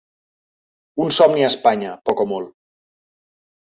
Un somni a Espanya, poc o molt.